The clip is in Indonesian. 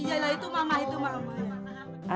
iya lah itu mama itu mama